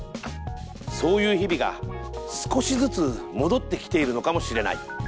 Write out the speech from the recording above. そういう日々が少しずつ戻ってきているのかもしれない。